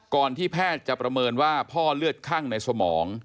ที่แพทย์จะประเมินว่าพ่อเลือดคั่งในสมอง